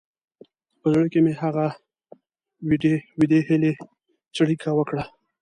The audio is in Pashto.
په زړه کې مې هغه وېډې هیلې څړیکه وکړه.